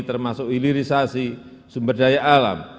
termasuk hilirisasi sumber daya alam